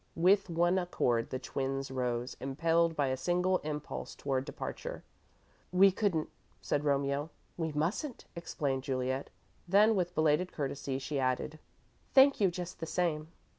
With one accord the twins rose, impelled by a single impulse toward departure. "We couldn't," said Romeo. "We mustn't," explained Juliet. Then, with belated courtesy, she added: "Thank you, just the same."